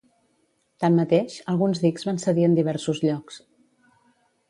Tanmateix, alguns dics van cedir en diversos llocs.